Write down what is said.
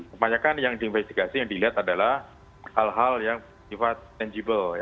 kebanyakan yang diinvestigasi yang dilihat adalah hal hal yang sifat tangible